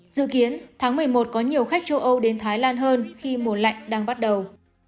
dự kiến tháng một mươi một có nhiều khách châu âu đến thái lan hơn khi mùa lạnh đang bắt đầu